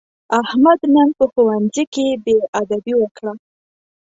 احمد نن په ښوونځي کې بېادبي وکړه.